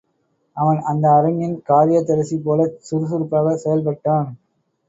அவன் அந்த அரங்கின் காரியதரிசி போலச் சுருசுருப்பாகச் செயல்பட்டான்.